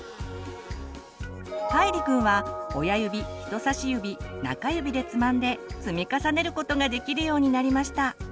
かいりくんは親指人さし指中指でつまんで積み重ねることができるようになりました。